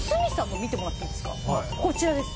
こちらです。